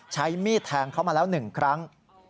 ใช้มีดแทงเขามาแล้ว๑ครั้ง